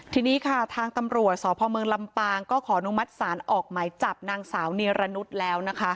ทีนี้ค่ะทางตำรวจสพเมืองลำปางก็ขออนุมัติศาลออกหมายจับนางสาวเนรนุษย์แล้วนะคะ